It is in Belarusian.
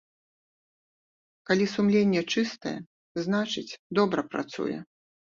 Калі сумленне чыстае, значыць, добра працуе.